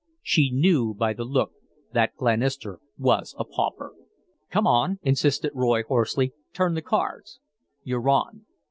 She knew by the look that Glenister was a pauper. "Come on," insisted Roy, hoarsely. "Turn the cards." "You're on!"